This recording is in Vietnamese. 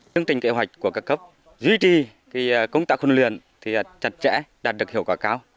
chương trình kế hoạch của các cấp duy trì công tác huấn luyện chặt chẽ đạt được hiệu quả cao